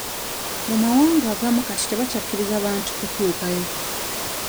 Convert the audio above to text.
Mu mawanga agamu kati tebakyakkiriza bantu kutuukayo.